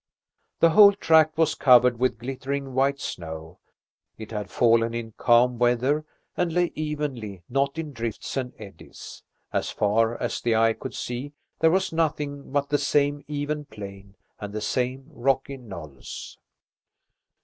The whole tract was covered with glittering white snow. It had fallen in calm weather and lay evenly, not in drifts and eddies. As far as the eye could see there was nothing but the same even plain and the same rocky knolls.